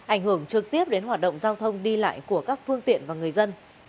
ảnh hưởng trực tiếp đến hoạt động giao thông đi lại của các phương tiện và người dân